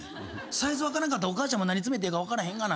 サイズ分からんかったらお母ちゃんも何詰めてええか分からへんがな。